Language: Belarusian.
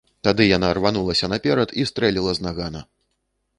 Тады яна рванулася наперад і стрэліла з нагана.